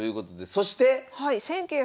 そして？